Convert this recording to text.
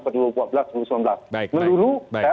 ke dua ribu empat belas dua ribu sembilan belas menurut saya